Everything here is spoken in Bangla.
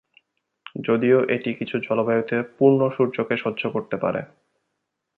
যদিও এটি কিছু জলবায়ুতে পূর্ণ সূর্যকে সহ্য করতে পারে।